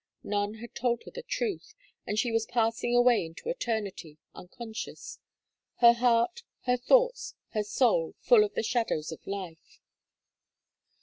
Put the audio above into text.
None had told her the truth. And she was passing away into eternity, unconscious her heart, her thoughts, her soul full of the shadows of life.